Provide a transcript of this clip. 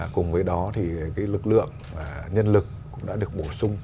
cùng với đó thì lực lượng nhân lực cũng đã được bổ sung